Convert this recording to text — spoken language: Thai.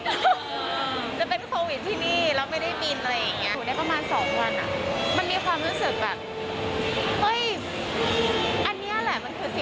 จะเป็นโควิดที่นี่แล้วไม่ได้บินอะไรอย่างนี้